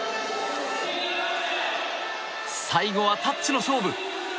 最後はタッチの勝負。